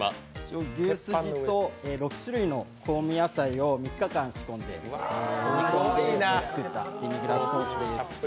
牛すじと６種類の香味野菜を３日間仕込んで作ったデミグラスソースです。